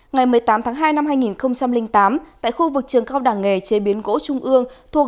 ngày một mươi tám tháng hai năm hai nghìn tám tại khu vực trường cao đẳng nghề chế biến gỗ trung ương thuộc